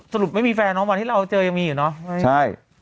สรุปไม่มีแฟรร์เนาะว๗๐๐วันที่เราเจอยังมีเหรอใช่